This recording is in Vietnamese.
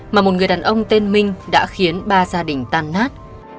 mà một người đàn ông tên minh đã khiến ba gia đình tan nát